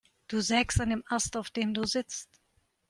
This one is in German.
Du sägst an dem Ast, auf dem du sitzt.